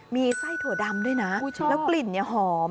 มีไส้ถั่วดำด้วยนะแล้วกลิ่นหอม